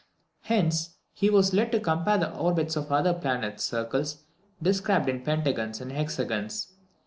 Hence he was led to compare the orbits of the other planets' circles described in pentagons and hexagons.